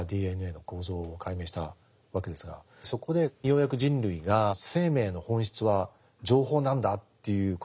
ＤＮＡの構造を解明したわけですがそこでようやく人類が生命の本質は情報なんだということに気付いたんですよね。